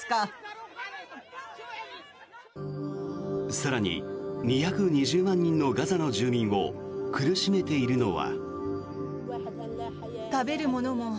更に２２０万人のガザ地区の住民を苦しめているのは。